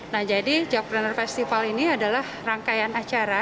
nah jadi jack pruner festival ini adalah rangkaian acara